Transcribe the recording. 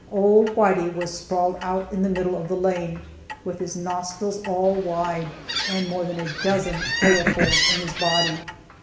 Old Whitey was sprawled out in the middle of the lane, "with his nostrils all wide," and more than a dozen bullet holes in his body.